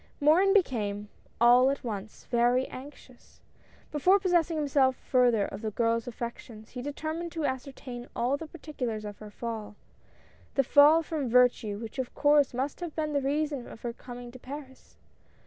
Morin became, all at once, very anxious. Before pos sessing himself further of the girl's affections he deter mined to ascertain all the particulars of her fall ;— the fall from virtue which of course must have been the reason of her coming to Paris.